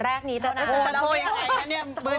แต่โทรยังไงกันเนี่ย